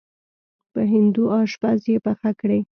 په هندو اشپز یې پخه کړې.